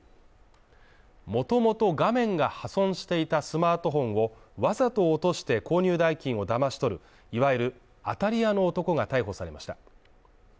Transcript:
もともと画面が破損していたスマートフォンをわざと落として購入代金をだまし取るいわゆる当たり屋の男が逮捕されました。